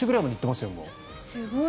すごい！